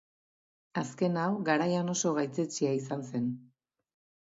Azken hau garaian oso gaitzetsia izan zen.